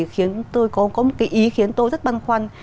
khiến tôi có một cái ý khiến tôi rất băn khoăn